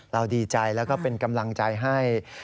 ดีใจแล้วก็เป็นกำลังใจให้